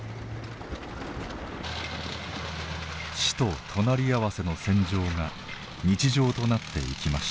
死と隣り合わせの戦場が日常となっていきました。